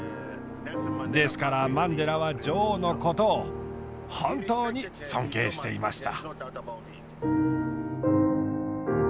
ですからマンデラは女王のことを本当に尊敬していました。